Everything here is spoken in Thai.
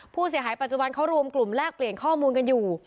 ปัจจุบันเขารวมกลุ่มแลกเปลี่ยนข้อมูลกันอยู่